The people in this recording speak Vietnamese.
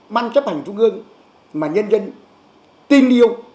ban chấp hành trung ương mà nhân dân tin yêu